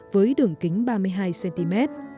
với đường kính ba mươi hai cm